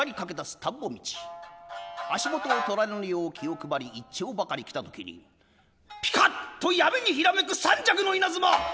足元を取られぬよう気を配り一町ばかり来た時に「ピカッ！」っと闇にひらめく三尺の稲妻。